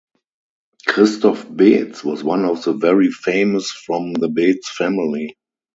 Christoph Beetz was one of the very famous from the Beetz family.